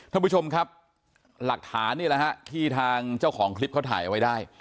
ท่านผู้ชมครับหลักฐานนี่แหละฮะที่ทางเจ้าของคลิปเขาถ่ายเอาไว้ได้